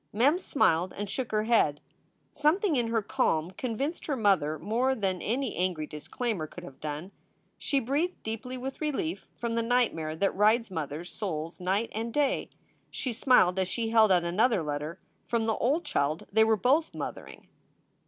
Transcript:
Mem smiled and shook her head. Something in her calm convinced her mother more than any angry disclaimer could have done. She breathed deeply with relief from the night mare that rides mothers souls night and day. She smiled as she held out another letter from the old child they were both mothering.